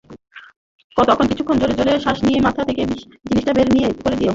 তখন কিছুক্ষণ জোরে জোরে শ্বাস নিয়ে মাথা থেকে বিষয়টা বের করে দিই।